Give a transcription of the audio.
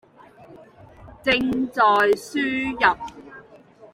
正在輸入